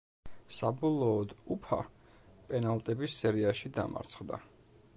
საბოლოოდ „უფა“ პენალტების სერიაში დამარცხდა.